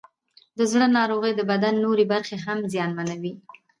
د زړه ناروغۍ د بدن نورې برخې هم زیانمنوي.